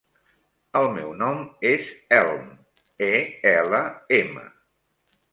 El meu nom és Elm: e, ela, ema.